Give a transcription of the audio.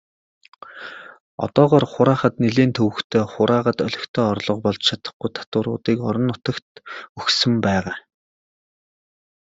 Одоогоор хураахад нэлээн төвөгтэй, хураагаад олигтой орлого болж чадахгүй татваруудыг орон нутагт өгсөн байгаа.